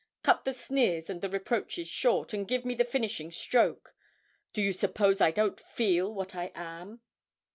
Cut the sneers and the reproaches short, and give me the finishing stroke; do you suppose I don't feel what I am?'